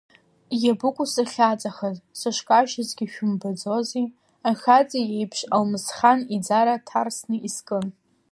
Иабыкәу сахьаҵахаз, сышкажьызгьы, ишәымбаӡози, ахаҵа иеиԥш, Алмысхан иӡара ҭарсны искын!